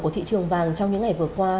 của thị trường vàng trong những ngày vừa qua